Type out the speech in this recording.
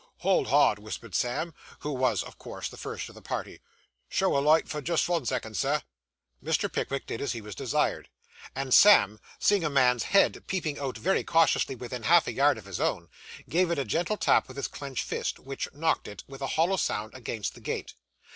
'Hold hard,' whispered Sam, who was, of course, the first of the party. 'Show a light for just vun second, Sir.' Mr. Pickwick did as he was desired, and Sam, seeing a man's head peeping out very cautiously within half a yard of his own, gave it a gentle tap with his clenched fist, which knocked it, with a hollow sound, against the gate.